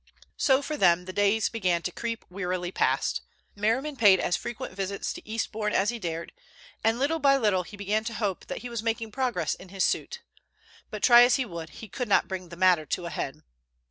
So, for them, the days began to creep wearily past. Merriman paid as frequent visits to Eastbourne as he dared, and little by little he began to hope that he was making progress in his suit. But try as he would, he could not bring the matter to a head.